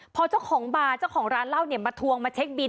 พอเจ้าของบาร์เจ้าของร้านเหล้าเนี่ยมาทวงมาเช็คบิน